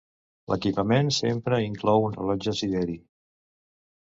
L'equipament sempre inclou un rellotge sideri.